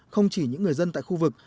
không chỉ những người dân tại khu vực